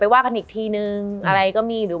มันทำให้ชีวิตผู้มันไปไม่รอด